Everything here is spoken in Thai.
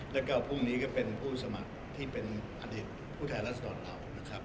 แล้วก็พรุ่งนี้ก็เป็นผู้สมัครที่เป็นอดีตผู้แทนรัศดรเรานะครับ